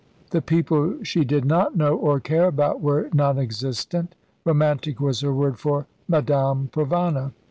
The people she did not know or care about were non existent. Romantic was her word for Madame Provana.